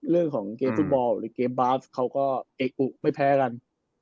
เรื่องของเกมฟุตบอลหรือเกมบาสเขาก็เอกอุไม่แพ้กัน